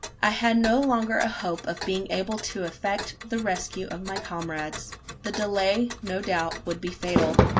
I had no longer a hope of being able to effect the rescue of my comrades. The delay, no doubt, would be fatal.